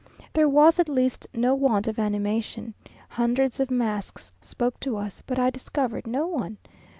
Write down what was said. There was at least no want of animation. Hundreds of masks spoke to us, but I discovered no one.